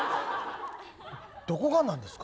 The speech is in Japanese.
どこが何ですか？